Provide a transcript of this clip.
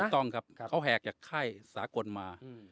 ต้องครับเขาแหกจากค่ายสากลมา